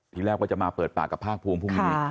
ที่แรกก็จะมาเปิดปากกับภาครังพวงพวกนี้